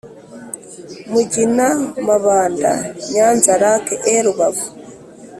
Mugina Mabanda Nyanza Lac et Rubavu